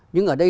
nhưng ở đây